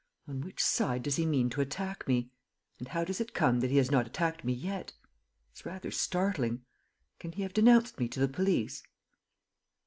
On which side does he mean to attack me? And how does it come that he has not attacked me yet? It's rather startling. Can he have denounced me to the police?"